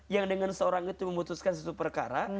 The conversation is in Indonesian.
yang dengan seseorang itu memutuskan sesuatu perkara